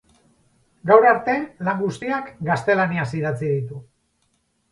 Gaur arte, lan guztiak gaztelaniaz idatzi ditu.